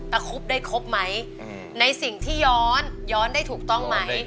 คุบได้ครบไหมในสิ่งที่ย้อนย้อนได้ถูกต้องไหม